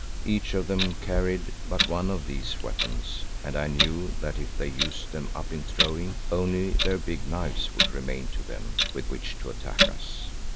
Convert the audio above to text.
Each of them carried but one of these weapons and I knew that if they used them up in throwing, only their big knives would remain to them with which to attack us.